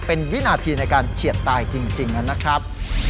เป็นวินาทีในการเฉียดตายจริงนะครับ